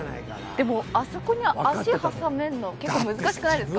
でもあそこに足挟めんの結構難しくないですか？